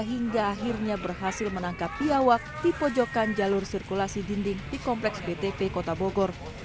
hingga akhirnya berhasil menangkap piawak di pojokan jalur sirkulasi dinding di kompleks btp kota bogor